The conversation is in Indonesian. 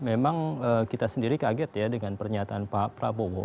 memang kita sendiri kaget ya dengan pernyataan pak prabowo